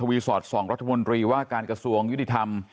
ทวีรศสองรัฐมนตรีว่าการกสวงยุติธรรม